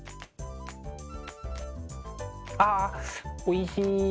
あおいしい！